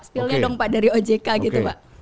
spillnya dong pak dari ojk gitu pak